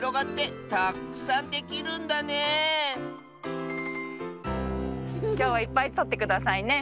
きょうはいっぱいとってくださいね。